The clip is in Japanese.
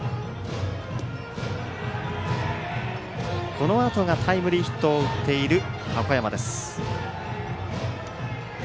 このあとがタイムリーヒットを打っている箱山です。